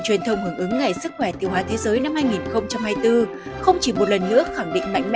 truyền thông hưởng ứng ngày sức khỏe tiêu hóa thế giới năm hai nghìn hai mươi bốn không chỉ một lần nữa khẳng định mạnh mẽ